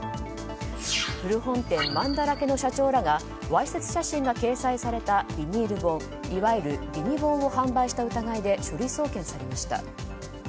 古本店まんだらけの社長らがわいせつ写真が掲載されたビニール本いわゆるビニ本を販売した疑いで書類送検されました。